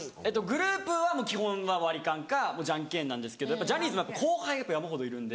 グループは基本は割り勘かじゃんけんなんですけどやっぱジャニーズは後輩が山ほどいるんで。